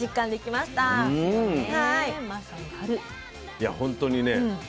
いやほんとにね